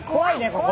ここ。